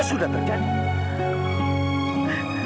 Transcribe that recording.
ya sudah terjadi